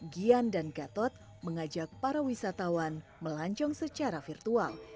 gian dan gatot mengajak para wisatawan melancong secara virtual